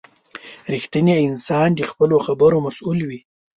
• رښتینی انسان د خپلو خبرو مسؤل وي.